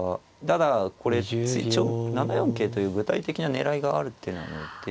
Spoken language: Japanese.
ただこれ次７四桂という具体的な狙いがある手なので。